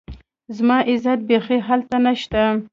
زما عزت بيخي هلته نشته